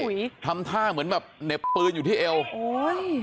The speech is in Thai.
ทำท่าเหมือนแบบเหน็บปืนอยู่ที่เอวโอ้ย